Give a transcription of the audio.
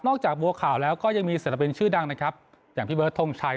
จากบัวขาวแล้วก็ยังมีศิลปินชื่อดังนะครับอย่างพี่เบิร์ดทงชัย